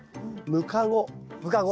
ムカゴ。